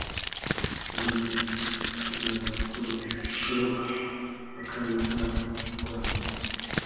ngo ni ukugera kure hashoboka bakarenga u Rwanda